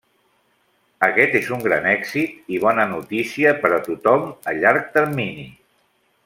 Aquest és un gran èxit i bona notícia per a tothom a llarg termini.